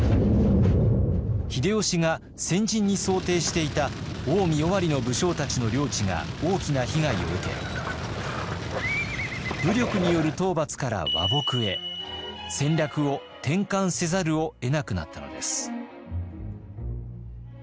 秀吉が戦陣に想定していた近江尾張の武将たちの領地が大きな被害を受け武力による討伐から和睦へ戦略を転換せざるをえなくなったのです。